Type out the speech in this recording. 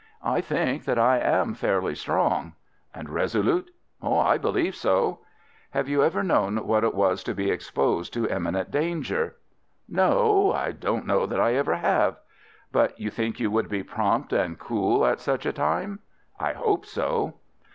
"I think that I am fairly strong." "And resolute?" "I believe so." "Have you ever known what it was to be exposed to imminent danger?" "No, I don't know that I ever have." "But you think you would be prompt and cool at such a time?" "I hope so."